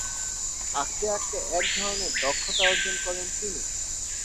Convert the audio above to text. আঁকতে আঁকতে এক ধরনের দক্ষতা অর্জন করেন তিনি।